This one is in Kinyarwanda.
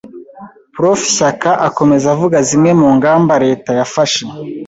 Prof Shyaka akomeza avuga zimwe mu ngamba Leta yafashe